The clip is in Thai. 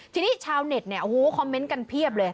ทีนี้ชาวเน็ตเนี่ยโอ้โหคอมเมนต์กันเพียบเลย